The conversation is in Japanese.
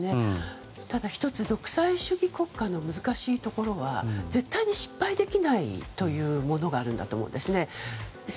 ただ１つ独裁主義国家の難しいところは絶対に失敗できないというものがあると思うんです。